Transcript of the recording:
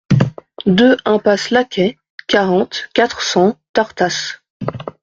deux impasse Lacay, quarante, quatre cents, Tartas